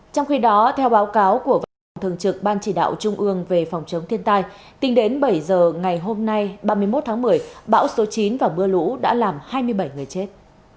trong khi đó theo báo cáo của văn phòng thường trực ban chỉ đạo trung ương về phòng chống thiên tai tính đến bảy giờ ngày hôm nay ba mươi một tháng một mươi bão số chín và mưa lũ đã làm hai mươi bảy người chết